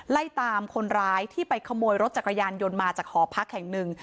ไล่ตามคนร้ายที่ไปขโมยรถจักรยานยนต์มาจากหอพักแห่งหนึ่ง